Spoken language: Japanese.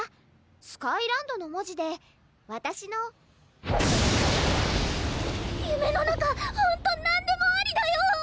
スカイランドの文字で「わたしの」夢の中ほんと何でもありだよ！